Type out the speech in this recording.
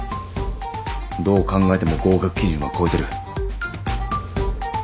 どう考えても合格基準は超えてる。